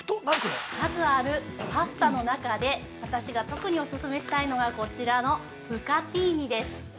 ◆数あるパスタの中で私が特にお勧めしたいのがこちらのブカティーニです。